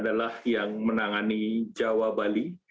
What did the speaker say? adalah yang menangani jawa bali